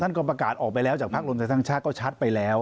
ก็ประกาศออกไปแล้วจากภาครวมไทยสร้างชาติก็ชัดไปแล้ว